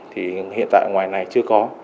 thì hiện tại ngoài này chưa có